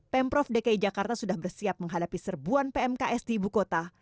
pemprov dki jakarta sudah bersiap menghadapi serbuan pmks di ibu kota